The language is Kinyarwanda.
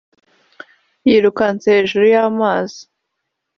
yirukanse hejuru y’amazi